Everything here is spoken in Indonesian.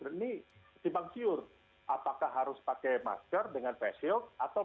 nah ini terbangortoker apakah harus pakai masker dengan facial kecalataan